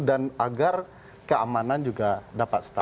dan agar keamanan juga dapat stabil